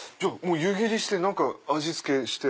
湯切りして味付けして。